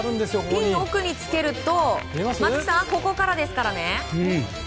ピンの奥につけると松木さん、ここからですからね。